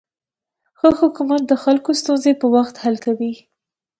ښه حکومتولي د خلکو ستونزې په وخت حل کوي.